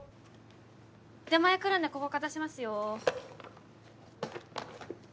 出前来るんでここ片しますよ。